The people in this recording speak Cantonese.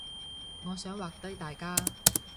我想畫低大家